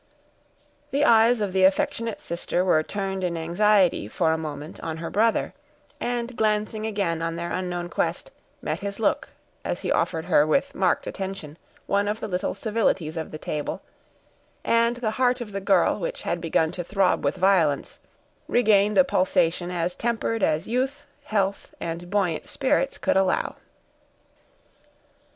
The eyes of the affectionate sister were turned in anxiety, for a moment, on her brother, and glancing again on their unknown guest, met his look, as he offered her, with marked attention, one of the little civilities of the table; and the heart of the girl, which had begun to throb with violence, regained a pulsation as tempered as youth, health, and buoyant spirits could allow.